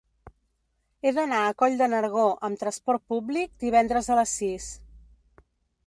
He d'anar a Coll de Nargó amb trasport públic divendres a les sis.